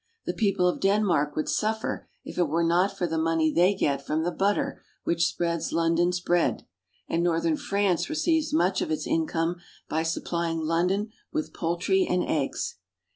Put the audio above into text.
The peo ple of Denmark would suffer if it were not for the money they get from the butter which spreads London's bread, and northern France receives much of its income by supplying London with poultry and eggs.